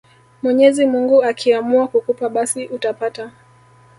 Mwenyezi mungu akiamua kukupa basi utapata